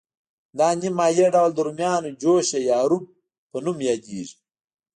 دا نیم مایع ډول د رومیانو جوشه یا روب په نوم یادیږي.